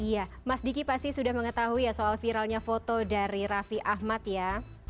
iya mas diki pasti sudah mengetahui ya soal viralnya foto dari raffi ahmad ya